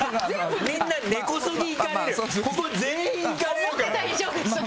みんな根こそぎいかれるよ。